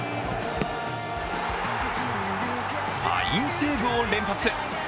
ファインセーブを連発。